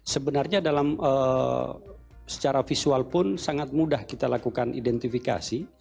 sebenarnya dalam secara visual pun sangat mudah kita lakukan identifikasi